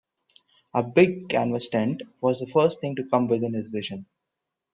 A big canvas tent was the first thing to come within his vision.